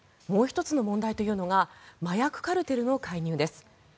もう１つの問題というのが麻薬カルテルの介入です。